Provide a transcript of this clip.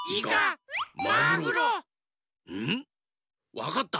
わかった。